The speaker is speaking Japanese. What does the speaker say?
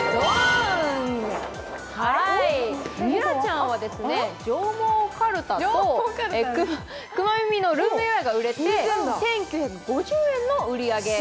ゆらちゃんは上毛かるたとくまみみのルームウェアが売れて１９５０円の売り上げ。